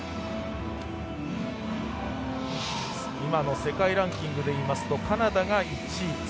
今の世界ランキングでいいますとカナダが１位。